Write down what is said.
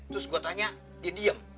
terus gue tanya dia diem